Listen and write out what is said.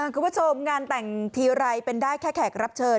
คุณผู้ชมงานแต่งทีไรเป็นได้แค่แขกรับเชิญ